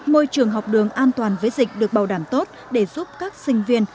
môi trường học đường an toàn với dịch được bảo đảm tốt để giúp các sinh viên